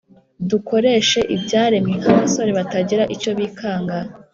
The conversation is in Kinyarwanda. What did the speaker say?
dukoreshe ibyaremwe nk’abasore batagira icyo bikanga: